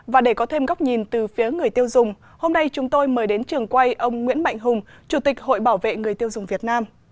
và để có thêm góc nhìn từ phía người tiêu dùng hôm nay chúng tôi mời đến trường quay ông nguyễn mạnh hùng chủ tịch hội bảo vệ người tiêu dùng việt nam